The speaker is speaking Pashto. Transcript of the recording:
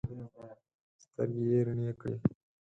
سترګې یې رڼې کړې.